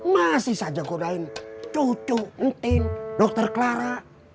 masih saja godain cucu etin dokter clara